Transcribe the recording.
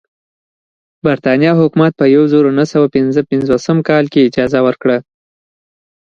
برېټانیا حکومت په یوه زرو نهه سوه پنځه پنځوسم کال کې اجازه ورکړه.